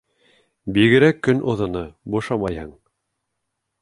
Бигерәк көн оҙоно бушамайһың...